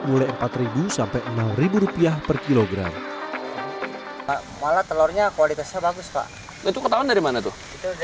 mulai empat ribu sampai enam rupiah per kilogram malah telurnya kualitasnya bagus pak untuk ketahuan dari mana tuh